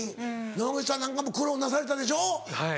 野間口さんなんかも苦労なされたでしょ？